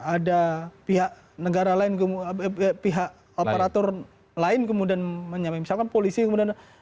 ada pihak negara lain pihak operator lain kemudian menyamai misalkan polisi kemudian